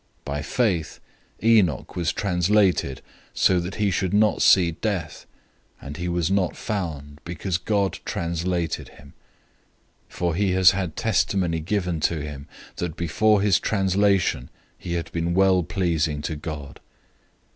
011:005 By faith, Enoch was taken away, so that he wouldn't see death, and he was not found, because God translated him. For he has had testimony given to him that before his translation he had been well pleasing to God.